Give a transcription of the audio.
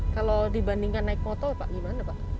kalau dibandingkan naik motor pak gimana pak